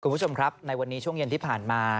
คุณผู้ชมครับในวันนี้ช่วงเย็นที่ผ่านมา